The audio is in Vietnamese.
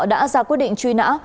đã ra quyết định truy nã